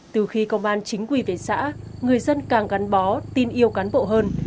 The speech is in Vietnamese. từ khi công an chính quy về xã người dân càng gắn bó tin yêu cán bộ hơn